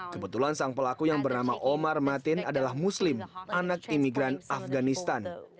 kebetulan sang pelaku yang bernama omar matin adalah muslim anak imigran afganistan